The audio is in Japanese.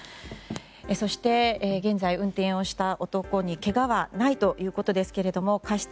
そして、現在運転をしていた男にけがはないということですが過失